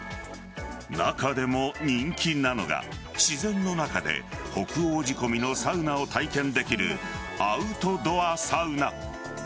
中でも人気なのが自然の中で北欧仕込みのサウナを体験できるアウトドアサウナ。